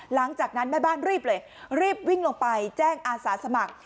หลังจากนั้นแม่บ้านรีบเลยรีบวิ่งลงไปแจ้งอาสาสมัคร